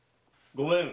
・ごめん！